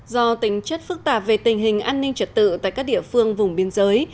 do tính chất phức tạp về tình hình an ninh trật tự tại các địa phương vùng biên giới